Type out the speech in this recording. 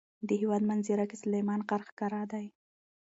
د هېواد منظره کې سلیمان غر ښکاره دی.